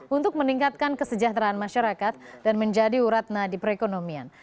untuk meningkatkan kesejahteraan masyarakat dan menjadi uratna di perekonomian